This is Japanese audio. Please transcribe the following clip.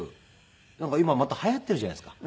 なんか今また流行っているじゃないですか